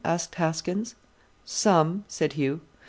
asked Haskins. "Some," said Hugh.